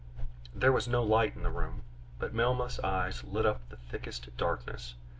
There was no light in the room, but Melmoth's eyes lit up the thickest darkness.